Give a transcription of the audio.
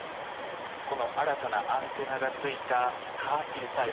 この新たなアンテナがついたＣＡＲ−Ｔ細胞